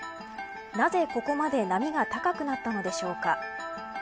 なぜ、ここまで波が高くなったのでしょうか。